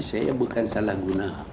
saya bukan salah guna